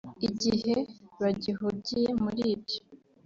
Igihe bagihugiye muri ibyo